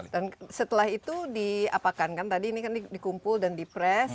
dan setelah itu diapakan kan tadi ini kan dikumpul dan di press